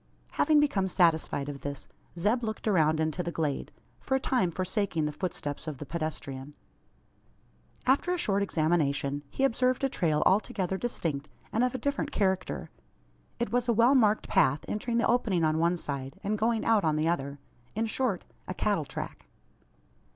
Having become satisfied of this, Zeb looked around into the glade for a time forsaking the footsteps of the pedestrian. After a short examination, he observed a trail altogether distinct, and of a different character. It was a well marked path entering the opening on one side, and going out on the other: in short, a cattle track.